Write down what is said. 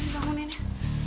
gimana bangun nenek